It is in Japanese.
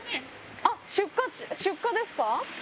あっ、出荷ですか？